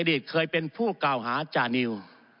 ในอดีตเคยเป็นผู้เก่าหาจานิ้ว